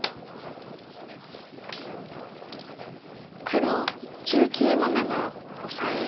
黒１９の七オサエ。